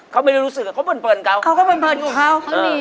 เขาก็เปิดกับเขา